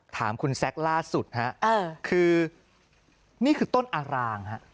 ถามคุณแซคล่าสุดฮะคือนี่คือต้นอารางฮะ